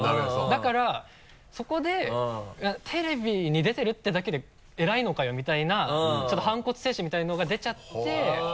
だからそこで「テレビに出てるってだけで偉いのかよ」みたいなちょっと反骨精神みたいなのが出ちゃって。